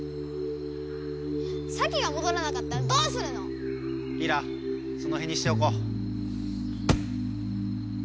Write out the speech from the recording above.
サキがもどらなかったらどうするの⁉リラそのへんにしておこう。